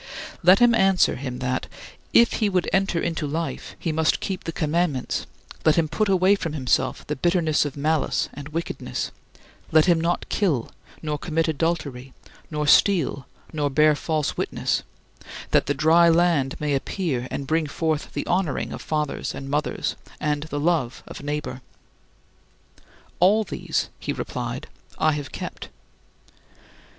Let him answer him that, if he would enter into life, he must keep the commandments: let him put away from himself the bitterness of malice and wickedness; let him not kill, nor commit adultery, nor steal, nor bear false witness that "the dry land" may appear and bring forth the honoring of fathers and mothers and the love of neighbor. "All these," he replied, "I have kept."